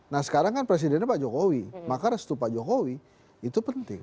nah sekarang kan presidennya pak jokowi maka restu pak jokowi itu penting